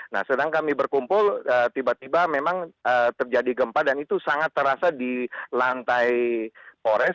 nah sedang kami berkumpul tiba tiba memang terjadi gempa dan itu sangat terasa di lantai pores